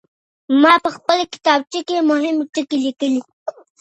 ما په خپله کتابچه کي مهم ټکي لیکلي.